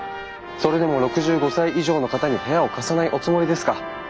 それでも６５歳以上の方に部屋を貸さないおつもりですか？